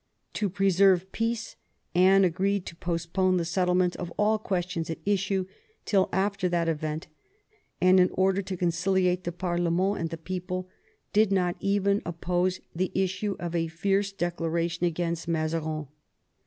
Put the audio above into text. To preserve peace Anne agreed to postpone the settlement of all questions at issue till after that event; and, in order to conciliate the parkment and the people, did not even oppose the issue of a fierce declaration against Mazarin.